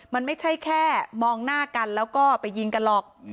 มันไม่ใช่แค่มองหน้ากันแล้วก็ไปยิงกันหรอก